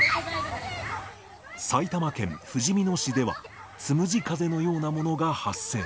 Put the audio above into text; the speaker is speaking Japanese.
埼玉県ふじみ野市では、つむじ風のようなものが発生。